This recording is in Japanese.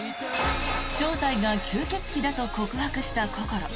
正体が吸血鬼だと告白したこころ。